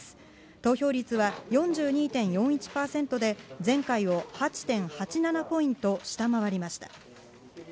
投票率は４２．４１％で前回を８．８７ポイント下回りました。